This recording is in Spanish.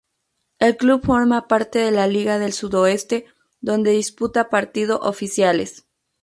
El club forma parte de la Liga del Sudoeste, donde disputa partido oficiales.